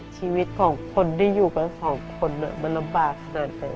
ชีวิตของคนที่อยู่กันสองคนมันลำบากขนาดไหน